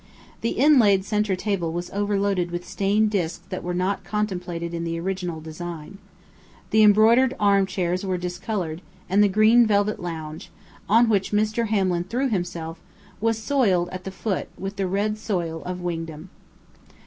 The inlaid center table was overlaid with stained disks that were not contemplated in the original design. The embroidered armchairs were discolored, and the green velvet lounge, on which Mr. Hamlin threw himself, was soiled at the foot with the red soil of Wingdam.